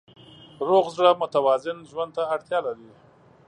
روغ زړه متوازن ژوند ته اړتیا لري.